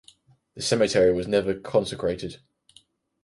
The cemetery was never consecrated.